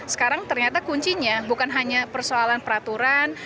sekarang ternyata kuncinya bukan hanya persoalan peraturan